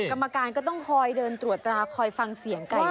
กรรมการก็ต้องคอยเดินตรวจตราคอยฟังเสียงไก่